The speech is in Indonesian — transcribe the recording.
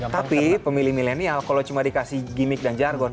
tapi pemilih milenial kalau cuma dikasih gimmick dan jargon